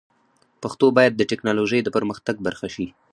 پښتو باید د ټکنالوژۍ د پرمختګ برخه شي.